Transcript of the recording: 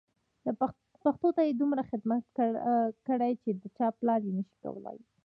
پښتو ته یې دومره خدمت کړی چې د چا پلار یې نه شي کولای.